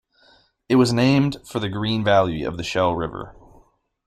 It was named for the green valley of the Shell River.